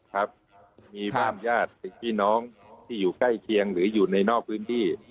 ครับมีบ้านญาติพี่น้องที่อยู่ใกล้เคียงหรืออยู่ในนอกพื้นที่